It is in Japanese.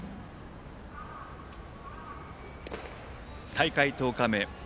大会１０日目。